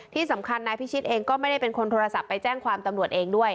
ที่สำคัญนายพิชิตเองก็ไม่ได้เป็นคนโทรศัพท์ไปแจ้งความตำรวจเองด้วย